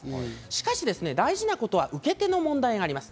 しかし大事なことは受け手の問題があります。